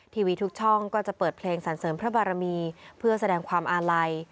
ทีวีทุกช่องก็จะเปิดเพลงสรรเสริมพระบารมีเพื่อแสดงความอาลัย